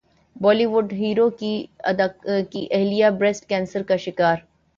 بولی وڈ ہیرو کی اہلیہ بریسٹ کینسر کا شکار